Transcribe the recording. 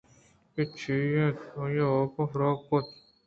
کہ اے چی ئِے کہ آئی ءِ وابے حراب کُت